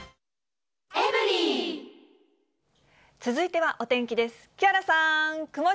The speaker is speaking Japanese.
続いてはお天気です。